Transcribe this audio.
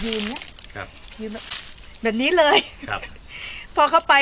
เจ๊อย่าออกไป